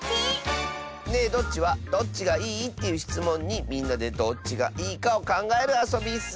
「ねえどっち？」はどっちがいい？というしつもんにみんなでどっちがいいかをかんがえるあそびッス。